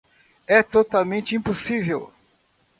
É totalmente impossível.